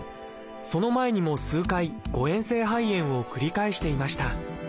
その前にも数回誤えん性肺炎を繰り返していました。